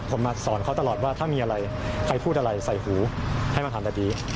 ผมมาสอนเขาตลอดว่าถ้ามีอะไรใครพูดอะไรใส่หูให้มาทำแบบนี้